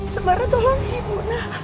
sembara tolong ibu